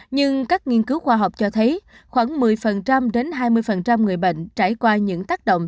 nhưng các nghiên cứu khoa học cho thấy khoảng một mươi đến hai mươi người bệnh trải qua những tác động